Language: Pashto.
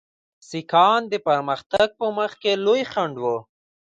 سیکهان د پرمختګ په مخ کې لوی خنډ وو.